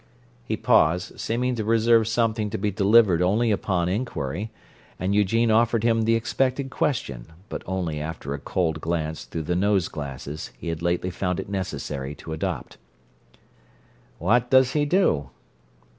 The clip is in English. He paused, seeming to reserve something to be delivered only upon inquiry, and Eugene offered him the expected question, but only after a cold glance through the nose glasses he had lately found it necessary to adopt. "What does he do?"